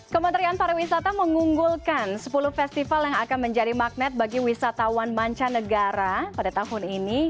kementerian pariwisata mengunggulkan sepuluh festival yang akan menjadi magnet bagi wisatawan mancanegara pada tahun ini